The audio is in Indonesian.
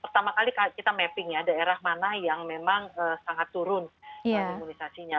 pertama kali kita mapping ya daerah mana yang memang sangat turun imunisasinya